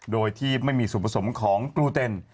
โดยที่ไม่มีส่วนผสมของกลูเต็น